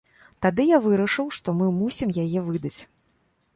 Тады я вырашыў, што мы мусім яе выдаць.